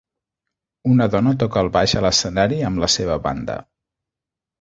Una dona toca el baix a l'escenari amb la seva banda.